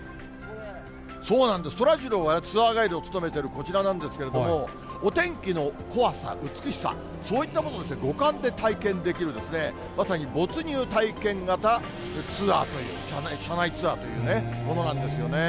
そうなんです、そらジローがね、ツアーガイドを務めているこちらなんですけれども、お天気の怖さ、美しさ、そういったものを五感で体験できる、まさに没入体験型ツアーという、車内ツアーというものなんですよね。